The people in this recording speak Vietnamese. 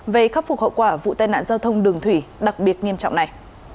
về khắc phục hậu quả vụ tai nạn giao thông đường thủy đặc biệt nghiêm trọng này